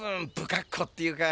かっこうっていうか。